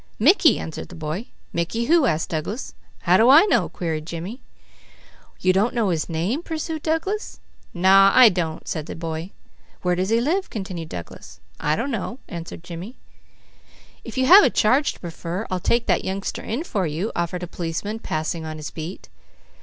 "Mickey!" answered the boy. "Mickey who?" asked Douglas. "How'd I know?" queried Jimmy. "You don't know his name?" pursued Douglas. "Naw, I don't!" said the boy. "Where does he live?" continued Douglas. "I don't know," answered Jimmy. "If you have a charge to prefer, I'll take that youngster in for you," offered a policeman passing on his beat.